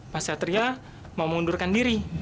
pak satria mau mengundurkan diri